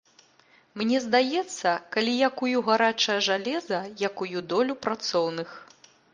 Мне здаецца, калі я кую гарачае жалеза, я кую долю працоўных!